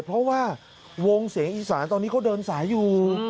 เพราะว่าวงเสียงอีสานตอนนี้เขาเดินสายอยู่